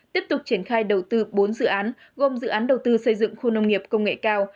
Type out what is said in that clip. tiếp tục triển khai đầu tư bốn dự án gồm dự án đầu tư xây dựng khu nông nghiệp công nghệ cao